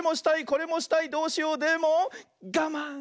これもしたいどうしようでもがまん！